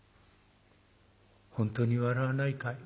「本当に笑わないかい？」。